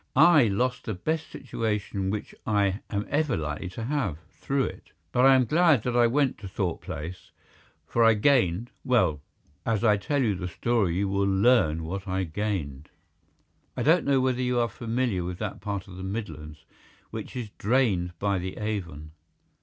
I lost the best situation which I am ever likely to have through it. But I am glad that I went to Thorpe Place, for I gained—well, as I tell you the story you will learn what I gained. I don't know whether you are familiar with that part of the Midlands which is drained by the Avon.